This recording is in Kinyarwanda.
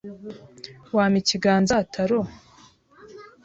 Wampa ikiganza, Taro